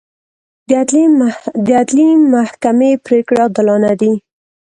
د عدلي محکمې پرېکړې عادلانه دي.